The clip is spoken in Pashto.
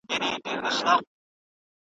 ولي سیاستوال واک ته د رسیدو هڅه کوي؟